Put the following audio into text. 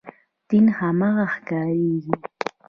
دین هماغه ښکارېږي.